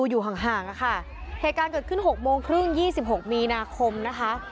ดูอยู่ห่างห่างนะค่ะเหตุการณ์เกิดขึ้นหกโมงครึ่งยี่สิบหกมีนาคมนะคะ